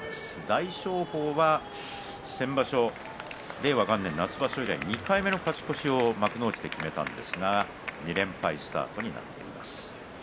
大翔鵬は先場所令和元年夏場所以来２回目の勝ち越しを幕内で決めたんですが２連敗スタートになっています。